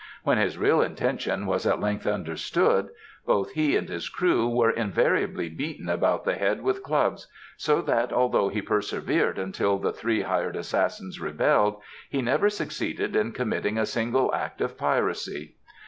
When his real intention was at length understood both he and his crew were invariably beaten about the head with clubs, so that although he persevered until the three hired assassins rebelled, he never succeeded in committing a single act of piracy.